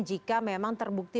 jika memang terbukti